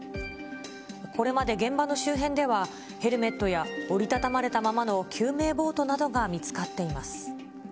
これまで現場の周辺では、ヘルメットや折り畳まれたままの救命ボートなどが見つかっています。